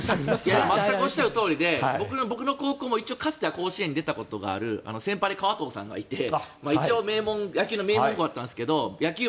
全くおっしゃるとおりで僕の高校もかつては甲子園が出たことがある先輩に川藤さんがいて野球の名門校だったんですけど。